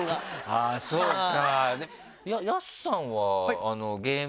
あぁそうか。